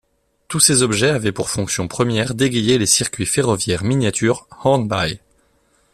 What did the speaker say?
Tous ces objets avaient pour fonction première d'égayer les circuits ferroviaires miniatures Hornby.